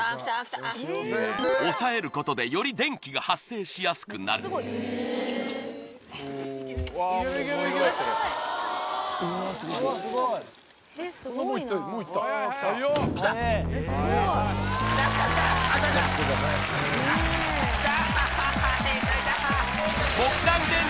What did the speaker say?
押さえることでより電気が発生しやすくなるアツツきた！